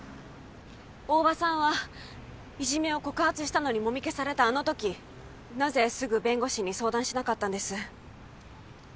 大庭さんはいじめを告発したのにもみ消されたあの時なぜすぐ弁護士に相談しなかったんです？